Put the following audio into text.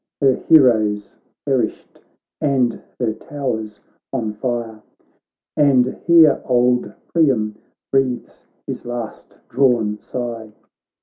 Her heroes perished, and her towers on fire : And here old Priam breathes his last drawn sigh.